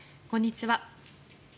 こんにちは。